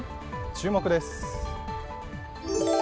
注目です。